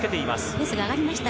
ペースが上がりました。